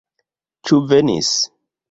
Ĉu venis?